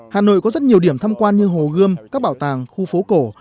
hà nội có rất nhiều điểm thăm quan như hồ gươm các bảo tàng khu phố cổ